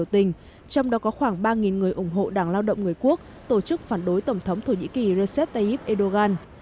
trong đó có khoảng ba người ủng hộ đảng lao động người quốc tổ chức phản đối tổng thống thổ nhĩ kỳ recep tayyip erdogan